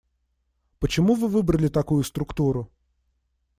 Почему вы выбрали такую структуру?